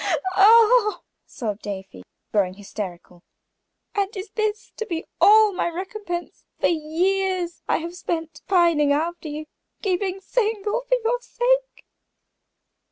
"Oh o o oh!" sobbed Afy, growing hysterical, "and is this to be all my recompense for the years I have spent pining after you, keeping single for your sake!"